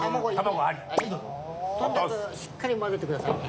しっかり混ぜてくださいね。